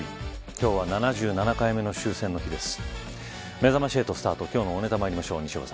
今日は７７回目の終戦の日です。